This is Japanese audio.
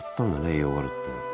栄養があるって。